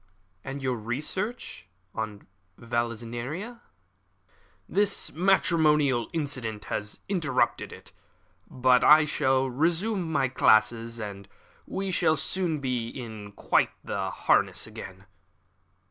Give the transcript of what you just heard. "And your research on Vallisneria?" "This matrimonial incident has interrupted it, but I have resumed my classes, and we shall soon be quite in harness again."